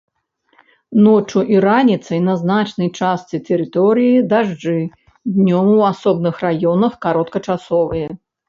Ноччу і раніцай на значнай частцы тэрыторыі дажджы, днём у асобных раёнах кароткачасовыя.